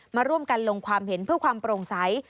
มาร่วมกันลงความเห็นเพื่อความโปร่งใส